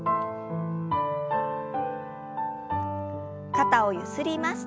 肩をゆすります。